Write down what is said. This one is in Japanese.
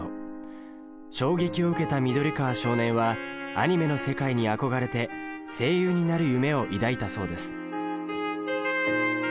衝撃を受けた緑川少年はアニメの世界に憧れて声優になる夢を抱いたそうです。